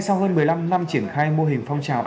sau hơn một mươi năm năm triển khai mô hình phong trào